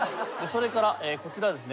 それからこちらですね。